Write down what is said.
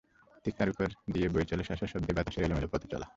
ঠিক তার ওপর দিয়ে বয়ে চলে শাঁ শাঁ শব্দে বাতাসের এলোমেলো পথচলা।